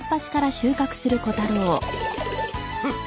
フッ！